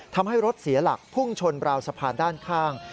ทำให้รถเสียหลักพุ่งชนราวสะพานด้านข้าง